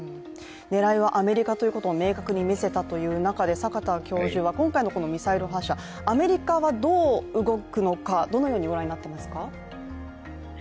狙いはアメリカということを明確に見せたという中で、今回のミサイル発射、アメリカはどう動くのか、どのようにご覧になっていますか？